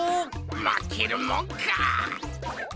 まけるもんか！